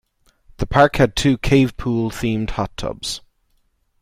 The park had two cave-pool themed hot tubs.